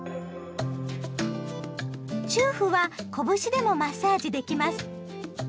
中府は拳でもマッサージできます。